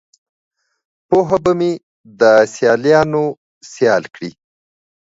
پوهه به مو دسیالانوسیال کړي